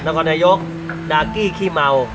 นครนายกดากี้ขี้เมา